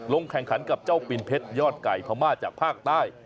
แข่งขันกับเจ้าปิ่นเพชรยอดไก่พม่าจากภาคใต้